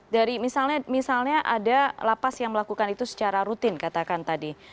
dari misalnya ada lapas yang melakukan itu secara rutin katakan tadi